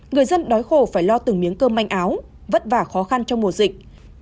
người dân đói khổ phải lo từng miếng cơm manh áo vất vả khó khăn trong mùa dịch